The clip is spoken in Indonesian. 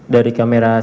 dari kamera sembilan